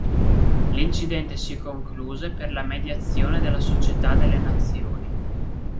L'incidente si concluse per la mediazione della Società delle Nazioni.